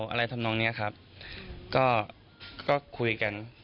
อะไรทำตรงนี้ครับก็คุยกัน